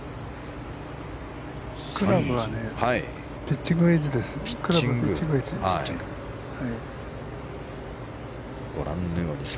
クラブはピッチングウエッジです。